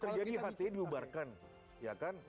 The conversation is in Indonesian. terjadi hati diubarkan